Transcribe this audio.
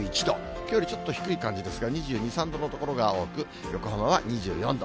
きょうよりちょっと低い感じですが、２２、３度の所が多く、横浜は２４度。